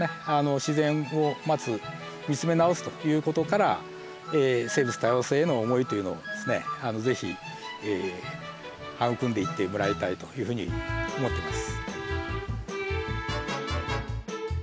自然をまず見つめ直すという事から生物多様性への思いというのをですね是非育んでいってもらいたいというふうに思ってます。